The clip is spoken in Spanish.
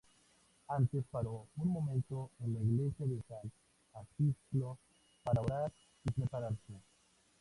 Antes paró un momento en la iglesia de San Acisclo para orar y prepararse.